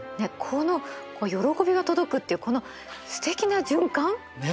この喜びが届くっていうこのすてきな循環。